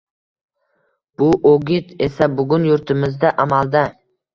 Bu o‘git esa bugun yurtimizda amalda.